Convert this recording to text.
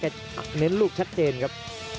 เน้นลูกชัดเจนครับ